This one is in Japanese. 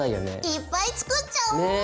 いっぱい作っちゃおう！ね！